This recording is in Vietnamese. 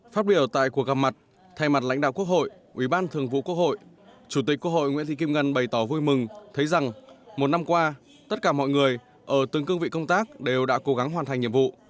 phát biểu tại cuộc gặp mặt thay mặt lãnh đạo quốc hội ủy ban thường vụ quốc hội chủ tịch quốc hội nguyễn thị kim ngân bày tỏ vui mừng thấy rằng một năm qua tất cả mọi người ở từng cương vị công tác đều đã cố gắng hoàn thành nhiệm vụ